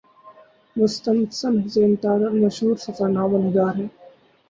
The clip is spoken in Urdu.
مستنصر حسین تارڑ مشہور سفرنامہ نگار ہیں۔